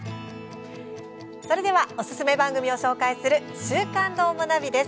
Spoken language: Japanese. それではおすすめ番組を紹介する「週刊どーもナビ」です。